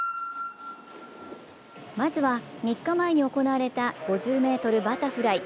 まずは３日前に行われた５０ｍバタフライ。